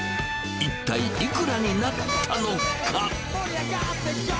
一体、いくらになったのか。